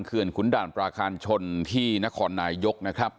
เคลื่อนขุนด่านปลาการชนที่นครนายกนะครับ